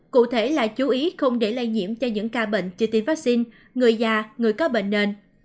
cụ thể là chú ý không để lây nhiễm cho những ca bệnh chưa tiêm vaccine người già người có bệnh nền